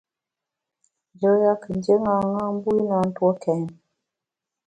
Njoya kù ndié ṅaṅâ na, mbu i na ntue kèn.